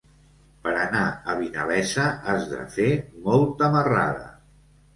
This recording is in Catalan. Per anar a Vinalesa has de fer molta marrada.